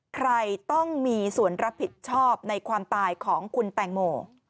ใครต้องมีส่วนรับผิดชอบในความตายของคุณแตงโม